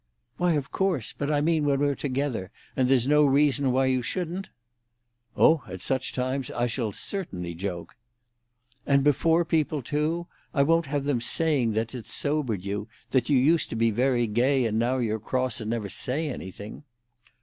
"Why, of course. But I mean when we're together, and there's no reason why you shouldn't?" "Oh, at such times I shall certainly joke." "And before people, too! I won't have them saying that it's sobered you—that you used to be very gay, and now you're cross, and never say anything."